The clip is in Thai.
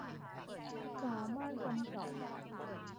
สามารถกำกับ